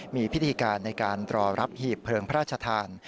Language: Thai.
มีพิธีการในการรอรับหีบเพลิงพระราชทาน